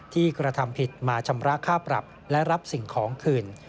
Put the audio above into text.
กระทำผิดมาชำระค่าปรับและรับสิ่งของคืน